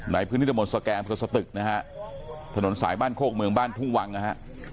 ในพึ่งนิรมนศ์โฆษแกบกสตึกนะฮะถนนสายบ้านโคคเมืองบ้านทุ่งวังนะฮะ